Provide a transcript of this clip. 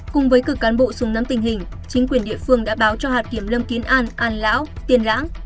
cùng với cử cán bộ xuống nắm tình hình chính quyền địa phương đã báo cho hạt kiểm lâm kiến an an lão tiền lãng